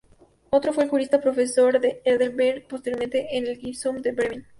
Otto fue un jurista, profesor en Heidelberg y posteriormente en el Gymnasium de Bremen.